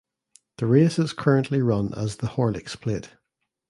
The race is currently run as the Horlicks Plate.